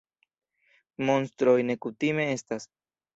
Monstroj ne kutime estas.